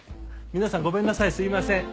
皆さんごめんなさいすいません。